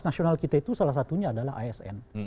nasional kita itu salah satunya adalah asn